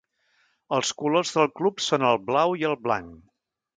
Els colors del club són el blau i el blanc.